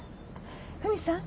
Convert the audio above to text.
フミさん